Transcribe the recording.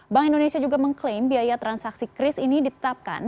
bank indonesia juga mengklaim biaya transaksi kris ini ditetapkan